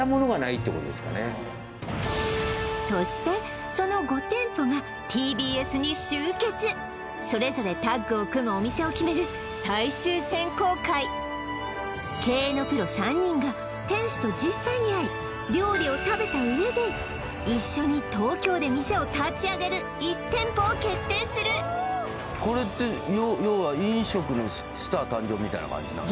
そしてその５店舗がＴＢＳに集結それぞれタッグを組むお店を決める最終選考会経営のプロ３人が店主と実際に会い料理を食べたうえで一緒に東京で店を立ち上げる１店舗を決定するこれって要は飲食のスター誕生みたいな感じなの？